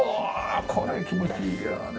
これ気持ちいいやね。